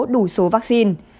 đủ số tiêm